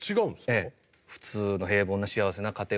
ええ。